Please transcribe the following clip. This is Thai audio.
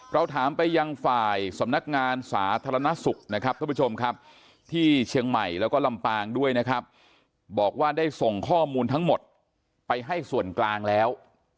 เราถามไปยังฝ่ายสำนักงานสาธารณสุขนะครับท่านผู้ชมครับที่เชียงใหม่แล้วก็ลำปางด้วยนะครับบอกว่าได้ส่งข้อมูลทั้งหมดไปให้ส่วนกลางแล้ว